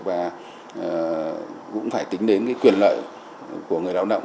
và cũng phải tính đến quyền lợi của người lao động